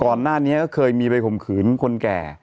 ก่อนหน้านี้ก็เคยมีไปข่มขืนคนแก่